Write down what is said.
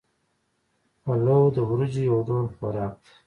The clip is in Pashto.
پلاو د وریجو یو ډول خوراک دی